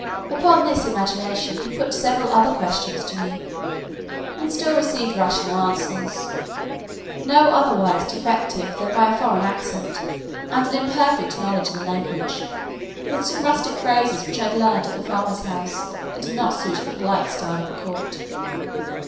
Upon this imagination, he put several other questions to me, and still received rational answers: no otherwise defective than by a foreign accent, and an imperfect knowledge in the language, with some rustic phrases which I had learned at the farmer's house, and did not suit the polite style of a court.